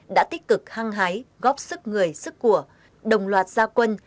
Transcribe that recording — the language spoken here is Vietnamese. đã tích cực hăng hái góp sức người sức của đồng loạt gia quân